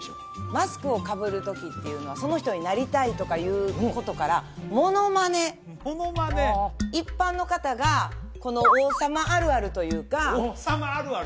マスクをかぶる時っていうのはその人になりたいとかいうことからものまねものまね一般の方がこの王様あるあるというか王様あるある？